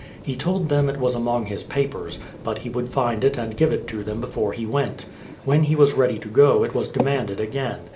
He told them it was among his papers, but he would find it and give it them before he went. When he was ready to go it was demanded again.